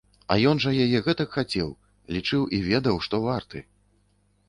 А ён жа яе гэтак хацеў, лічыў і ведаў, што варты.